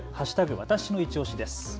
わたしのいちオシです。